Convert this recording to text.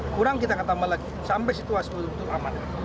kurang kita akan tambah lagi sampai situasi beruntung aman